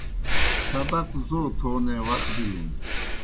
سبق زو تھونے وخ بِلُن۔